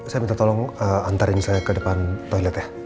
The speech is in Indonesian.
saya minta tolong antarin saya ke depan toilet ya